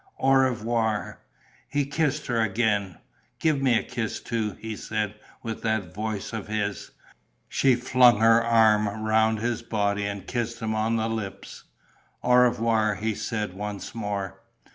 Au revoir...." He kissed her again: "Give me a kiss too," he said, with that voice of his. She flung her arm round his body and kissed him on the lips. "Au revoir," he said, once more.